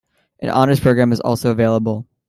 An Honors Program is also available.